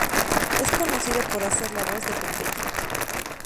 Es conocido por hacer la voz de Popeye.